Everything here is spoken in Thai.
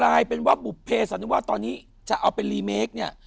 กลายเป็นว่าบุภเพสันนิวาสตอนนี้จะเอาเป็นรีเมคเนี่ย